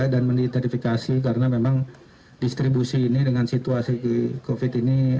dan meneterifikasi karena memang distribusi ini dengan situasi covid sembilan belas ini